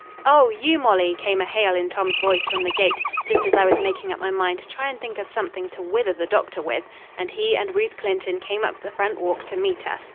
"Oh, you Molly," came a hail in Tom's voice from the gate, just as I was making up my mind to try and think of something to wither the doctor with, and he and Ruth Clinton came up the front walk to meet us.